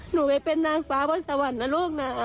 หนูไปเป็นนางฟ้าบนสวรรค์นะลูกนะ